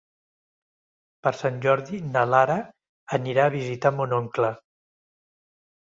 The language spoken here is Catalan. Per Sant Jordi na Lara anirà a visitar mon oncle.